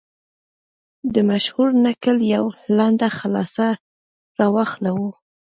د مشهور نکل یوه لنډه خلاصه را واخلو.